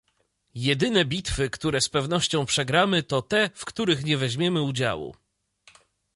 Jedyne bitwy, które z pewnością przegramy to te, w których nie weźmiemy udziału